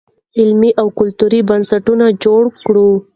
علمي او کلتوري بنسټونه جوړ کړو.